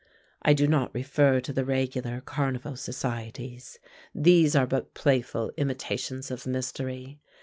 I do not refer to the regular carnival societies. These are but playful imitations of mystery.